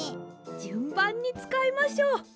じゅんばんにつかいましょう。